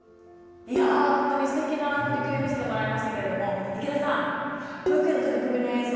いやほんとにすてきな取り組み見せてもらいましたけれども池田さん保育園の取り組みの映像